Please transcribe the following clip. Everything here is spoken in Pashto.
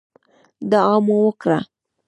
دعا مو وکړه.